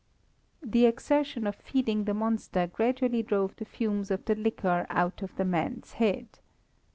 The exertion of feeding the monster gradually drove the fumes of the liquor out of the man's head.